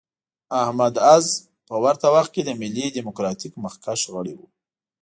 احمد عز په ورته وخت کې د ملي ډیموکراتیک مخکښ غړی و.